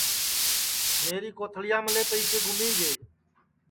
میری کوتھݪِیاملے پیئیسے گُمی گے